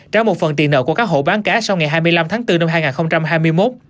trả một phần tiền nợ của các hộ bán cá sau ngày hai mươi năm tháng bốn năm hai nghìn hai mươi một